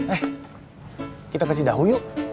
eh kita kasih tahu yuk